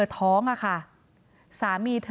นายพิรายุนั่งอยู่ติดกันแบบนี้นะคะ